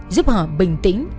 giúp họ bình tĩnh